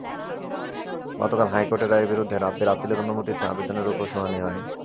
গতকাল হাইকোর্টের রায়ের বিরুদ্ধে রাব্বির আপিলের অনুমতি চেয়ে আবেদনের ওপর শুনানি হয়।